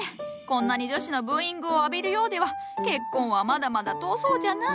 こんなに女子のブーイングを浴びるようでは結婚はまだまだ遠そうじゃな。